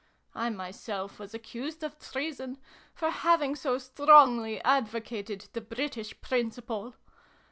I myself was accused of Treason, for having so strongly advocated ' the British Principle.'